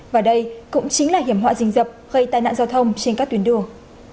và đây cũng chính là hiểm họa rình dập gây tai nạn giao thông trên các tuyến đường